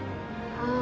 ああ！